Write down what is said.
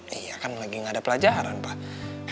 iya kan lagi nggak ada pelajaran pak